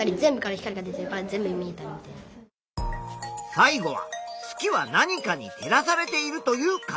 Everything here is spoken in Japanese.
最後は月は何かに照らされているという可能性。